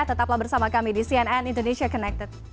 tetaplah bersama kami di cnn indonesia connected